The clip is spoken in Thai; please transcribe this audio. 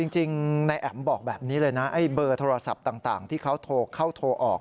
จริงนายแอ๋มบอกแบบนี้เลยนะไอ้เบอร์โทรศัพท์ต่างที่เขาโทรเข้าโทรออก